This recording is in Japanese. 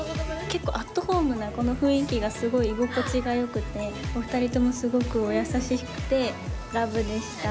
結構アットホームなこの雰囲気がすごい居心地がよくてお二人ともすごくお優しくてラブでした。